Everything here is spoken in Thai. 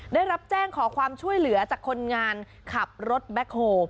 ได้รับแจ้งขอความช่วยเหลือจากคนงานขับรถแบ็คโฮ